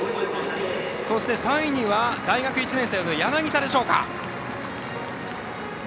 そして、３位には大学１年生の柳田でしょうか。